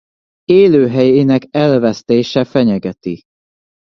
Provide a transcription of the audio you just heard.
Élőhelyének elvesztése fenyegeti.